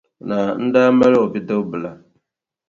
Naa n-daa mali o bidibbila.